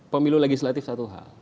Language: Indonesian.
pemilu legislatif satu hal